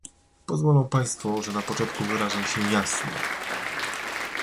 Pozwolą Państwo, że na początku wyrażę się jasno